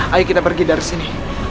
ayo kita pergi dari sini